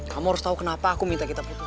kamu harus tahu kenapa aku minta kita putus